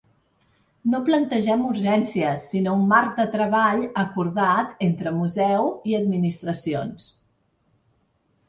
No plantegem urgències, sinó un marc de treball acordat entre museu i administracions.